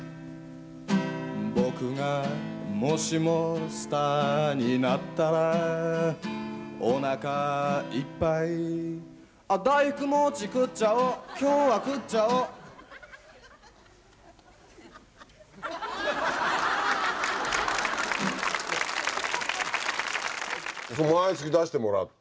僕がもしもスターになったらおなかいっぱい大福餅食っちゃお今日は食っちゃお毎月出してもらって。